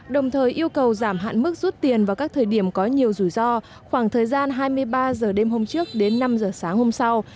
đồng thời yêu cầu giảm hạn mức rút tiền vào các thời điểm có nhiều rủi ro khoảng thời gian hai mươi ba h đêm hôm trước đến năm h sáng hôm sau